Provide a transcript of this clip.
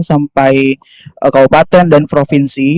sampai kabupaten dan provinsi